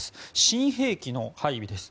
新兵器の配備です。